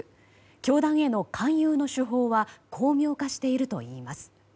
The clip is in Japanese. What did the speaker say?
教団への勧誘の手法は巧妙化しているといいます。